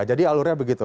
jadi alurnya begitu